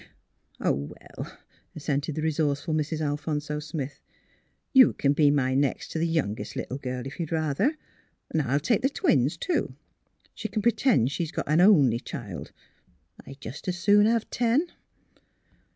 ''" Oh, well," assented the resourceful Mrs. Al phonso Smith. " You can be my next t ' the ' youngest little girl, if you'd rather. I'll take the twins, too. She can p'tend she's got an only child. I'd jus' s' soon have ten."